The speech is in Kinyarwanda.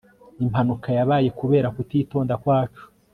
impanuka yabaye kubera kutitonda kwacu